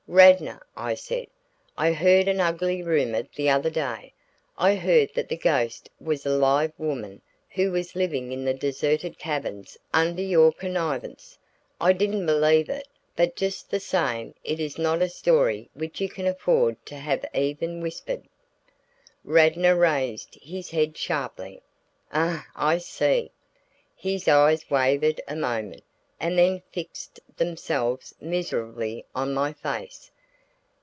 "Radnor," I said, "I heard an ugly rumor the other day. I heard that the ghost was a live woman who was living in the deserted cabins under your connivance. I didn't believe it, but just the same it is not a story which you can afford to have even whispered." Radnor raised his head sharply. "Ah, I see!" His eyes wavered a moment and then fixed themselves miserably on my face.